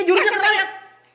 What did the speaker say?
jurunya keren lihat